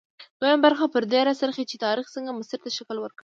دویمه برخه پر دې راڅرخي چې تاریخ څنګه مسیر ته شکل ورکړ.